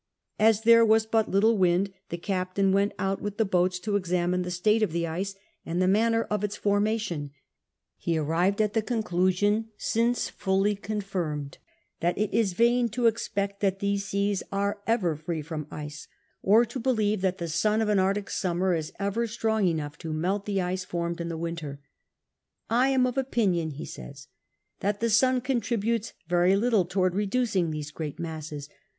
As there was but little wind the captain went out with the boats to examine the stsite of the ice and the manner of its formation, lie arrived at the conclusion, since fully confirmed, that it is vain to expect that these seas are ever free from ice, or to believe that the sun of an Arctic summer is ever strong enough to melt the ice formed in the winter. I am of opinion (he says) that the sun contributes very little towards reducing these great masses.